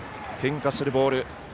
変化するボール。